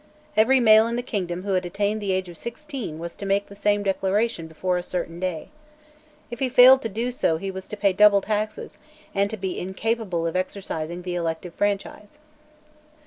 Every male in the kingdom who had attained the age of sixteen was to make the same declaration before a certain day. If he failed to do so he was to pay double taxes and to be incapable of exercising the elective franchise.